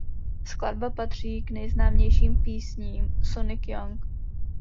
Skladba patří k nejznámějším písním Sonic Youth.